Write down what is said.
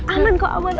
aman kok aman